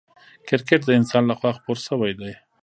کرکټ د انګلستان له خوا خپور سوی دئ.